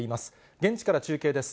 現地から中継です。